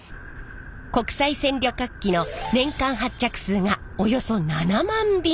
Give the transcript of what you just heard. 国際線旅客機の年間発着数がおよそ７万便。